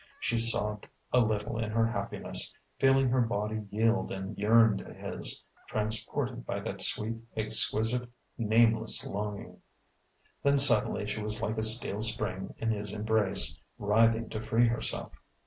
She sobbed a little in her happiness, feeling her body yield and yearn to his, transported by that sweet, exquisite, nameless longing.... Then suddenly she was like a steel spring in his embrace, writhing to free herself.